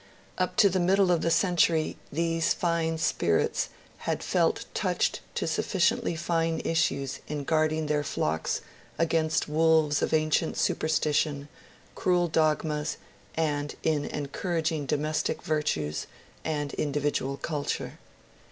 Up to the middle of the century these fine spirits had felt touched to sufficiently fine issues in guarding their flocks against wolves of ancient superstition, cruel dogmas, and in encouraging domestic virtues and individual culture.